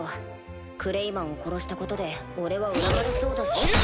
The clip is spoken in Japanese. クレイマンを殺したことで俺は恨まれそうだし。